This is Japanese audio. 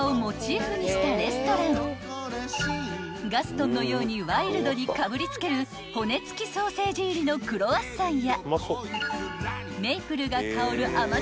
［ガストンのようにワイルドにかぶりつける骨付きソーセージ入りのクロワッサンやメープルが香る甘じょっ